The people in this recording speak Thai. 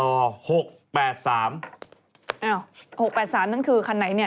อ้าว๖๘๓นั่นคือคันไหน